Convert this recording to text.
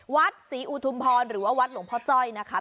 วัดศรีอุทุมพรหรือว่าวัดหลวงพ่อจ้อยนะคะ